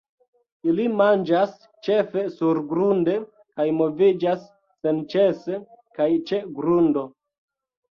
Ili manĝas ĉefe surgrunde, kaj moviĝas senĉese kaj ĉe grundo.